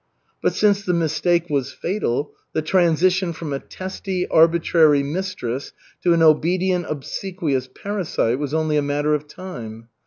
But since the mistake was fatal, the transition from a testy, arbitrary mistress to an obedient, obsequious parasite was only a matter of time.